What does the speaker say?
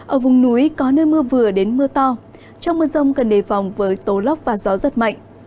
ở vùng núi có nơi mưa vừa đến mưa to trong mưa rông cần đề phòng với tố lốc và gió rất mạnh